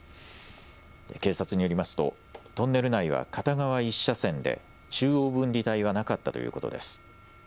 警察によりますとトンネル内は片側１車線で、中央分離帯はなかったということです。